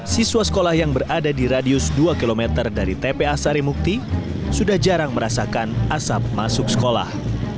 siswa sekolah yang berada di radius dua km dari tpa sarimukti sudah jarang merasakan asap masuk sekolah